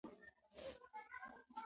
د شپې برید د دښمن لښکر تیت و پرک کړ.